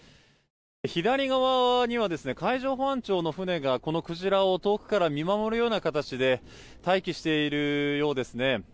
左側には、海上保安庁の船がこのクジラを遠くから見守るような形で待機しているようですね。